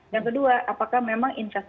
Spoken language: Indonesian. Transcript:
yang kedua apakah memang investasi